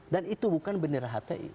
dan itu bukan bendera hti